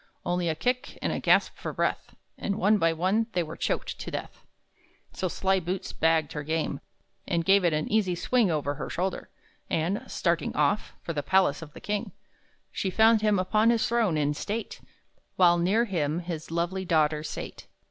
Only a kick, and a gasp for breath, And, one by one, they were choked to death. So Sly Boots bagged her game, And gave it an easy swing Over her shoulder; and, starting off For the palace of the king, She found him upon his throne, in state, While near him his lovely daughter sate.